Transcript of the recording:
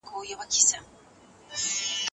غږ ورو ورو د هغه غوږونو ته نږدې کېږي.